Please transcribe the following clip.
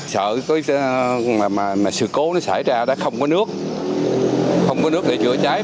sợ cái sự cố nó xảy ra là không có nước không có nước để chữa cháy